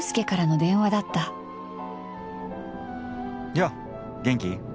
やァ元気？